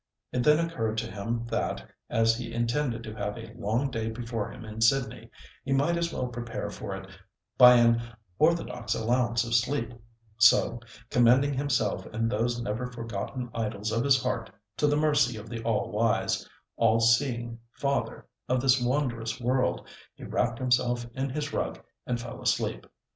It then occurred to him that, as he intended to have a long day before him in Sydney, he might as well prepare for it by an orthodox allowance of sleep; so, commending himself and those never forgotten idols of his heart to the mercy of the All wise, All seeing Father of this wondrous world, he wrapped himself in his rug and fell asleep.